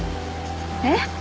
えっ？